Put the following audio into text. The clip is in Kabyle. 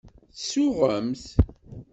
Tsuɣemt.